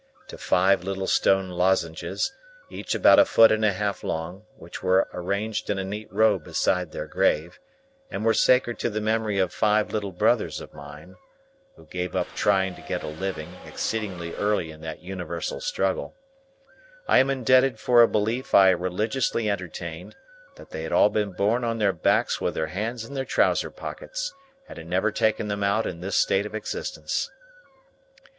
To five little stone lozenges, each about a foot and a half long, which were arranged in a neat row beside their grave, and were sacred to the memory of five little brothers of mine,—who gave up trying to get a living, exceedingly early in that universal struggle,—I am indebted for a belief I religiously entertained that they had all been born on their backs with their hands in their trousers pockets, and had never taken them out in this state of existence.